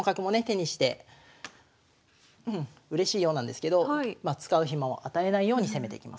手にしてうれしいようなんですけど使う暇を与えないように攻めていきますね。